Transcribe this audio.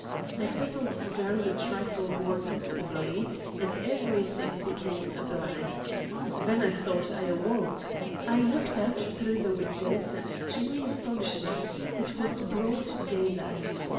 I settled down a trifle more comfortably, and everything became a blank. Then I thought I awoke. I looked out through the windows, and, to my astonishment, it was broad daylight.